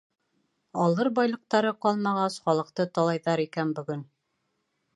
Алыр байлыҡтары ҡалмағас, халыҡты талайҙар икән бөгөн.